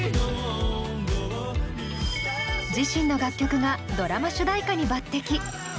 自身の楽曲がドラマ主題歌に抜てき。